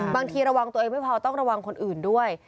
บางทีระวังตัวเองไม่พอต้องระวังคนอื่นด้วย